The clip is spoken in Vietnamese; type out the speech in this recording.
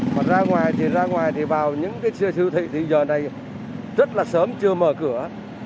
mà ra ngoài thì ra ngoài thì vào những cái siêu thị thì giờ đây rất là sớm chưa mở cửa